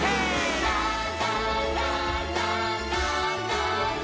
「ラララララララ」「」